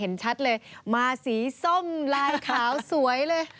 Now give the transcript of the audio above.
เห็นชัดเลยมาสีส้มลายขาวสวยเลย